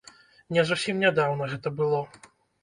Не зусім нядаўна гэта было.